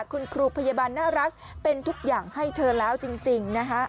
คุณครูพยาบาลน่ารักเป็นทุกอย่างให้เธอแล้วจริงนะคะ